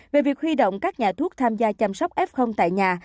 về việc huy động các nhà thuốc tham gia chăm sóc f tại nhà